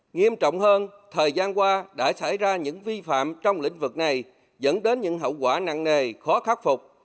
nghiêm trọng hơn thời gian qua đã xảy ra những vi phạm trong lĩnh vực này dẫn đến những hậu quả nặng nề khó khắc phục